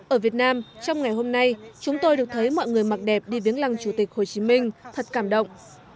ở việt nam trong ngày hôm nay chúng tôi được thấy mọi người mặc đẹp đi viếng lăng chủ tịch hồ chí minh thật cảm động